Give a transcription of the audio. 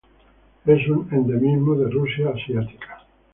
Es un endemismo de Rusia asiática.